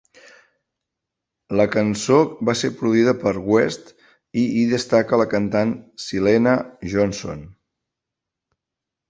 La cançó va ser produïda per West i hi destaca la cantant Syleena Johnson.